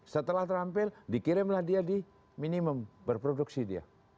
setelah terampil dikirimlah dia di minimum berproduksi dia